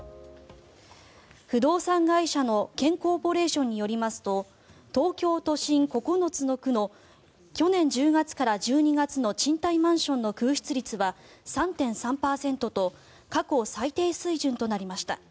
不動産会社のＫＥＮコーポレーションによりますと東京都心９つの区の去年１０月から１２月の賃貸マンションの空室率は３．３％と過去最低水準となりました。